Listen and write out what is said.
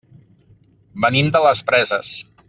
Venim de les Preses.